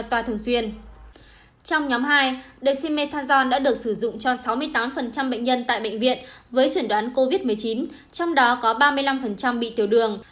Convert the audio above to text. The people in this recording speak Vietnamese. trong nhóm hai dshi methazon đã được sử dụng cho sáu mươi tám bệnh nhân tại bệnh viện với chuẩn đoán covid một mươi chín trong đó có ba mươi năm bị tiểu đường